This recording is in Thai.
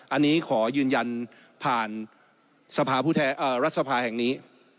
อันนี้ขอยืนยันผ่านรัฐสภาแห่งนี้